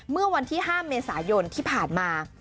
เมื่อวันที่๕เมษายนที่ผ่านมา